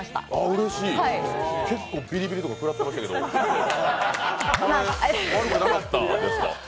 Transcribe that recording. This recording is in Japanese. うれしい結構ビリビリとか食らってたけど悪くなかったですか？